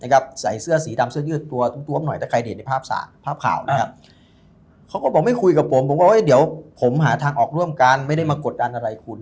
เขาก็บอกไม่คุยกับผมเดี๋ยวผมหาทางออกร่วมกันไม่ได้มากดอันอะไรคุณ